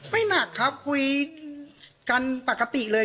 ไม่หนักครับคุยกันปกติเลย